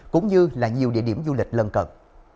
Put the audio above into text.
cũng như là nhiều địa điểm du lịch lân cận